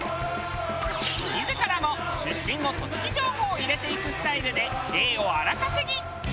自らも出身の栃木情報を入れていくスタイルで「へぇ」を荒稼ぎ。